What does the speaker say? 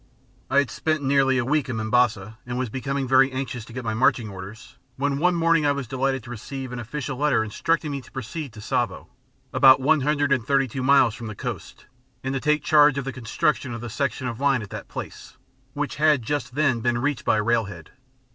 I had spent nearly a week in Mombasa, and was becoming very anxious to get my marching orders, when one morning I was delighted to receive an official letter instructing me to proceed to Tsavo, about one hundred and thirty two miles from the coast, and to take charge of the construction of the section of the line at that place, which had just then been reached by railhead.